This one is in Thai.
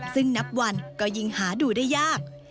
ซึ่งนับวันก็ยิ่งหาดูได้ยาก